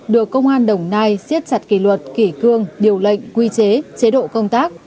được công an đồng nai siết chặt kỷ luật kỷ cương điều lệnh quy chế chế độ công tác